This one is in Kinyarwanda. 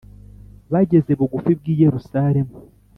Bageze bugufi bw’i Yerusalemu